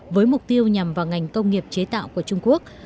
với mục tiêu nhằm vào ngành công nghiệp chế tạo của trung quốc